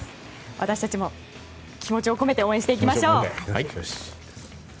私たちも気持ちを込めて応援していきましょう。